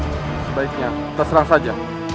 sebaiknya terserah saja